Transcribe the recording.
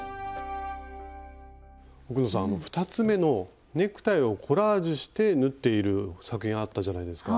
奥野さん２つ目のネクタイをコラージュして縫っている作品あったじゃないですか？